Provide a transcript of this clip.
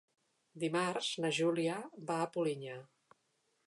Dimarts na Júlia va a Polinyà.